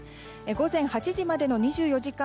午前８時までの２４時間